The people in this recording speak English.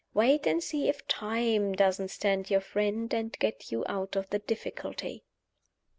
Wait and see if Time doesn't stand your friend, and get you out of the difficulty."